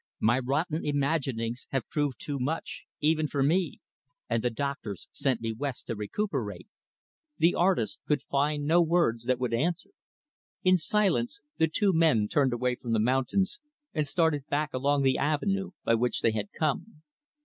My rotten imaginings have proven too much even for me and the doctors sent me West to recuperate," The artist could find no words that would answer. In silence, the two men turned away from the mountains, and started back along the avenue by which they had come.